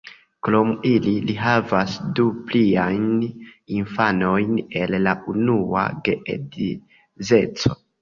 Krom ili, li havas du pliajn infanojn el la unua geedzeco.